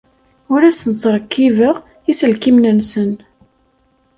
Ur asen-ttṛekkibeɣ iselkimen-nsen.